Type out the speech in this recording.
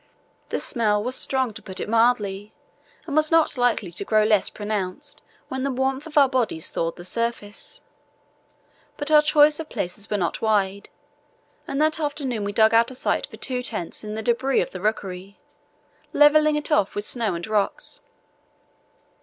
The smell was strong, to put it mildly, and was not likely to grow less pronounced when the warmth of our bodies thawed the surface. But our choice of places was not wide, and that afternoon we dug out a site for two tents in the debris of the rookery, levelling it off with snow and rocks.